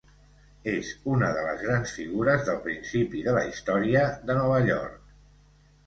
És una de les grans figures del principi de la història de Nova York.